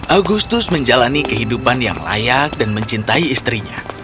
agustus menjalani kehidupan yang layak dan mencintai istrinya